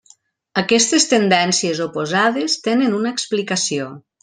Aquestes tendències oposades tenen una explicació.